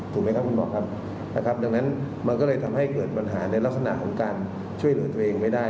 ถูกไหมครับคุณหมอครับนะครับดังนั้นมันก็เลยทำให้เกิดปัญหาในลักษณะของการช่วยเหลือตัวเองไม่ได้